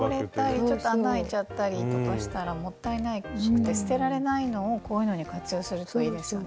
ちょっと穴開いちゃったりとかしたらもったいなくて捨てられないのをこういうのに活用するといいですよね。